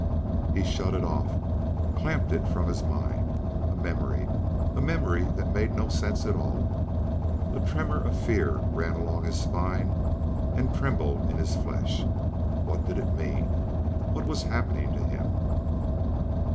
He shut it off, clamped it from his mind. A memory! A memory that made no sense at all. A tremor of fear ran along his spine and trembled in his flesh. What did it mean? What was happening to him?